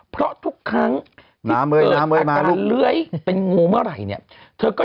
เพราะทุกครั้งที่เกิดอาการเลื้อยเป็นงูเมื่อไหร่เนี่ย